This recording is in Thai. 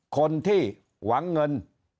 คนที่หวังเงิน